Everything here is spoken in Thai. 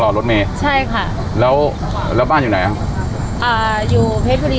รถเมย์ใช่ค่ะแล้วแล้วบ้านอยู่ไหนฮะอ่าอยู่เพชรบุรี